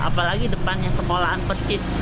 apalagi depannya sekolahan pecis